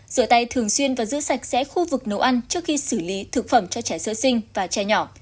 rửa tay thường xuyên và giữ sạch sẽ khu vực nấu ăn trước khi xử lý thực phẩm cho trẻ sơ sinh và trẻ nhỏ